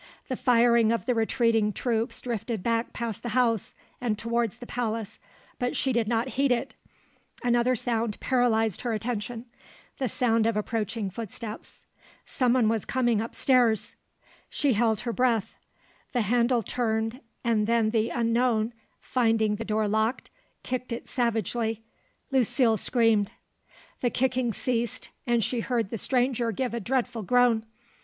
The firing of the retreating troops drifted back past the house and towards the palace; but she did not heed it; another sound paralysed her attention, the sound of approaching footsteps. Someone was coming up stairs. She held her breath. The handle turned, and then the unknown, finding the door locked, kicked it savagely. Lucile screamed. The kicking ceased, and she heard the stranger give a dreadful groan.